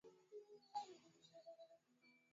nchini Ukraine mwishoni mwa Februari